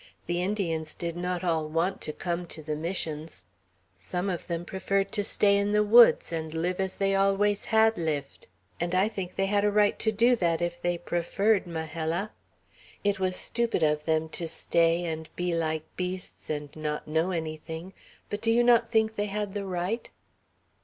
The Indians did not all want to come to the Missions; some of them preferred to stay in the woods, and live as they always had lived; and I think they had a right to do that if they preferred, Majella. It was stupid of them to stay and be like beasts, and not know anything; but do you not think they had the right?"